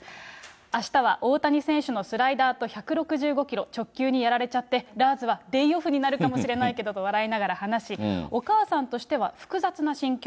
あしたは大谷選手のスライダーと１６５キロ直球にやられちゃって、ラーズはデイオフになるかもしれないと笑いながら話し、お母さんとしては複雑な心境。